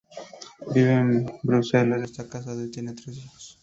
Vive en Bruselas, está casado y tiene tres hijos.